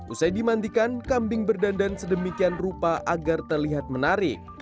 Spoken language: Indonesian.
usai dimandikan kambing berdandan sedemikian rupa agar terlihat menarik